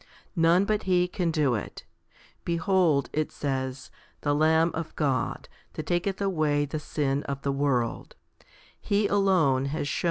None but He can do it. Behold, it says, the Lamb of God, that taketh away the sin of the world* He alone has shewn 1 Rom.